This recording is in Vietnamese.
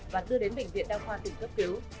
và đưa đến bệnh viện đa khoa tỉnh cấp cứu